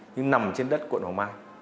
nhưng nằm trên đất quận hồng mai